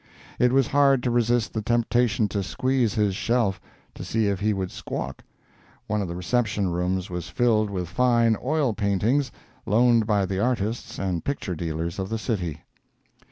It was hard to resist the temptation to squeeze his shelf, to see if he would squawk. One of the reception rooms was filled with fine oil paintings, loaned by the artists and picture dealers of the city.